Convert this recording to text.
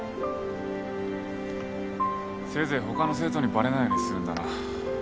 せいぜい他の生徒にバレないようにするんだな。